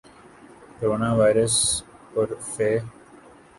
corona virus پر ف